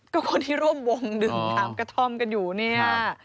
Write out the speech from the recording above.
ก็คนที่ร่วมวงดื่มน้ำกระท่อมกันอยู่เนี่ย